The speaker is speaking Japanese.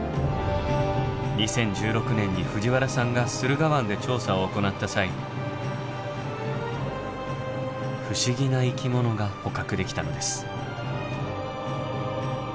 ２０１６年に藤原さんが駿河湾で調査を行った際不思議な生き物が捕獲できたのです。